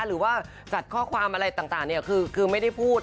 หรือว่าจัดข้อความอะไรต่างคือไม่ได้พูด